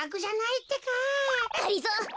がりぞー。